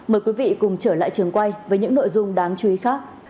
mời quý vị cùng trở lại trường quay với những nội dung đáng chú ý khác